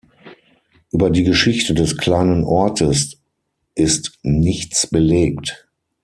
Über die Geschichte des kleinen Ortes ist nichts belegt.